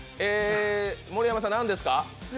盛山さん何ですか？